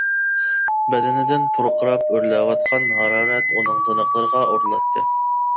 بەدىنىدىن پۇرقىراپ ئۆرلەۋاتقان ھارارەت ئۇنىڭ تىنىقلىرىغا ئۇرۇلاتتى.